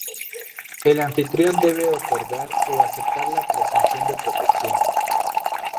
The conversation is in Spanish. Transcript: El anfitrión debe otorgar o aceptar la presunción de protección.